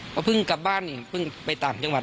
ก็เพิ่งกลับบ้านเพิ่งไปตามจังหวัด